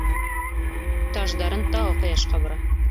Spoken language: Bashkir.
Таждарын тағы ҡояшҡа бора.